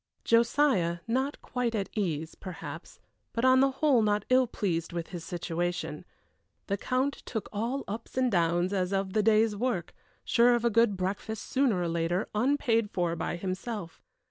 Josiah, not quite at ease, perhaps, but on the whole not ill pleased with his situation. The Count took all ups and downs as of the day's work, sure of a good breakfast, sooner or later, unpaid for by himself.